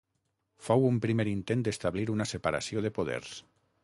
Fou un primer intent d'establir una separació de poders.